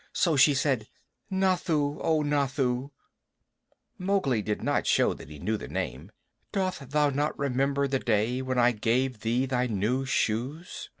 So she said, "Nathoo, O Nathoo!" Mowgli did not show that he knew the name. "Dost thou not remember the day when I gave thee thy new shoes?"